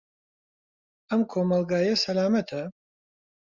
ئەم کۆمەڵگەیە سەلامەتە؟